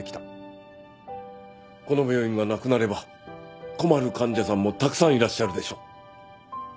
この病院がなくなれば困る患者さんもたくさんいらっしゃるでしょう。